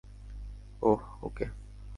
ওহ, ওকে!